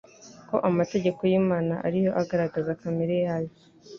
ko amategeko y'Imana ari yo agaragaza kamere yayo,